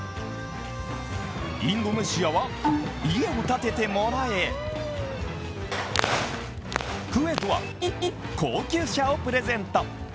インドネシアは家を建ててもらえ、クウェートは高級車をプレゼント。